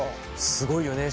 すごいよね